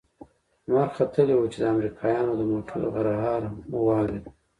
لمر ختلى و چې د امريکايانو د موټرو غرهار مو واورېد.